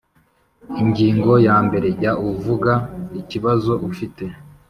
Ingingo ya mbere Jya uvuga ikibazo ufite